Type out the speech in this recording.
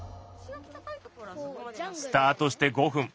スタートして５分。